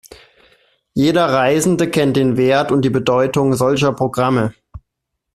Jeder Reisende kennt den Wert und die Bedeutung solcher Programme.